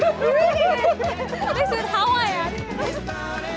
oh berdiri berdiri berdiri